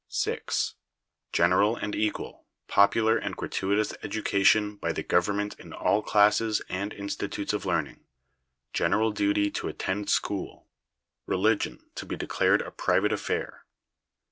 6. General and equal, popular and gratuitous education by the Government in all classes and institutes of learning; general duty to attend school; religion to be declared a private affair.